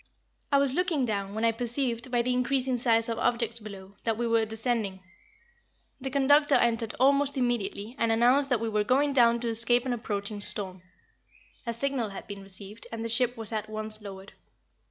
I was looking down, when I perceived, by the increasing size of objects below, that we were descending. The conductor entered almost immediately, and announced that we were going down to escape an approaching storm. A signal had been received and the ship was at once lowered.